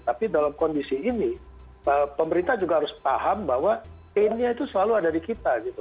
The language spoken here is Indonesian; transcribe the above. tapi dalam kondisi ini pemerintah juga harus paham bahwa painnya itu selalu ada di kita gitu